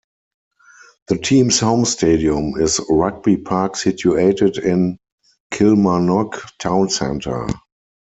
The team's home stadium is Rugby Park situated in Kilmarnock town centre.